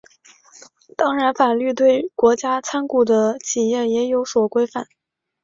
当然法律对国家参股的企业也有所规范。